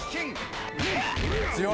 強い！